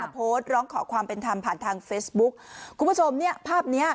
โพสต์ร้องขอความเป็นธรรมผ่านทางเฟซบุ๊คคุณผู้ชมเนี่ยภาพเนี้ย